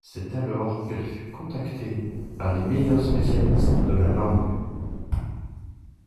C’est alors qu’elle fut contactée par les meilleurs spécialistes de la langue